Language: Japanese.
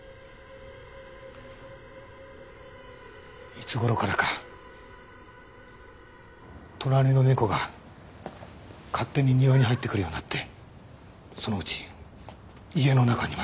いつ頃からか隣の猫が勝手に庭に入ってくるようになってそのうち家の中にまで。